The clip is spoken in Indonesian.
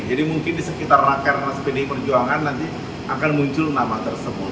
mungkin di sekitar rakernas pdi perjuangan nanti akan muncul nama tersebut